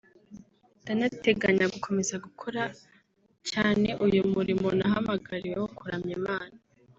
’ ndanateganya gukomeza gukora cyane uyu murimo nahamagariwe wo kuramya Imana